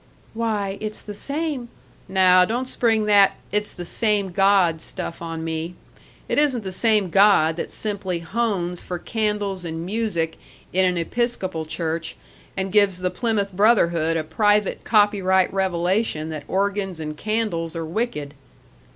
"Why, it's the same " "Now don't spring that 'it's the same God' stuff on me. It isn't the same God that simply hones for candles and music in an Episcopal Church and gives the Plymouth Brotherhood a private copyright revelation that organs and candles are wicked."